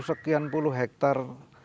sekian puluh hektar